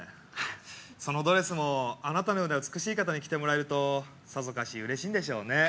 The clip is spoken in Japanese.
そのドレスもあなたのような美しい方に着てもらえるとさぞかしうれしいんでしょうね。